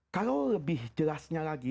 kalau lebih jelasnya lagi